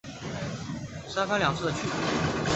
三番两次的去